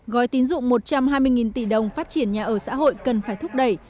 gói tín dụng một trăm hai mươi tỷ đồng phát triển nhà ở xã hội cần phải thúc đẩy